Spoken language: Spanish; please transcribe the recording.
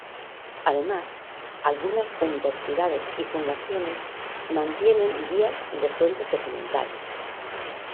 Además algunas universidades y fundaciones mantienen guías de fuentes documentales.